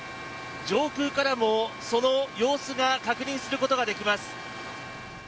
上空からも、その様子が確認することができます。